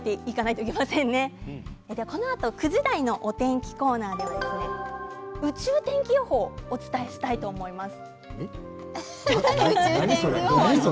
このあと９時台のお天気コーナーでは宇宙天気予報をお伝えしたいと思います。